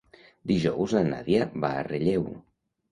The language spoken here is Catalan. Dijous na Nàdia va a Relleu.